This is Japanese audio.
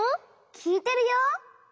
きいてるよ。